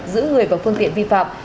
giữ người vào phương tiện vi phạm